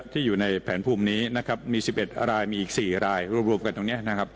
ที่อยู่ในแผนภูมินี้มี๑๑รายมีอีก๔รายรวมกันตรงนี้